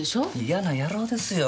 嫌な野郎ですよ。